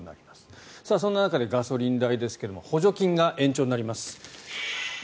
そんな中でガソリン代ですが補助金が延長になります。